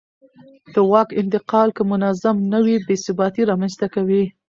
د واک انتقال که منظم نه وي بې ثباتي رامنځته کوي